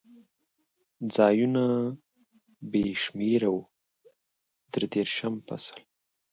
ځایونه بې شمېره و، درې دېرشم فصل.